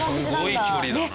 すごい距離だな。